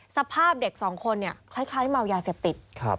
สภาพเด็กสองคนเนี่ยคล้ายเมายาเสพติด